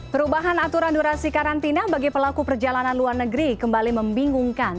perubahan aturan durasi karantina bagi pelaku perjalanan luar negeri kembali membingungkan